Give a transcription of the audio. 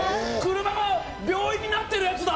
車が病院になってるヤツだ！